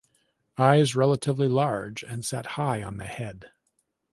Eyes relatively large and set high on the head.